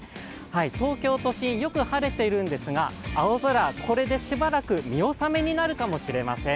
東京都心、よく晴れているんですが、青空、これでしばらく見おさめになるかもしれません。